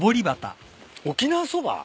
「沖縄そば」？